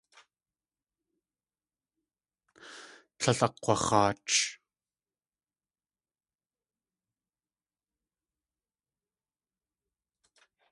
Tlél akg̲wax̲aach.